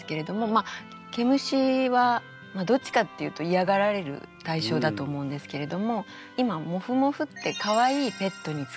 まっ「毛虫」はどっちかっていうとイヤがられる対象だと思うんですけれども今「もふもふ」ってかわいいペットに使われたりしますよね。